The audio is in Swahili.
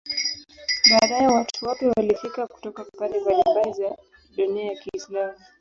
Baadaye watu wapya walifika kutoka pande mbalimbali za dunia ya Kiislamu.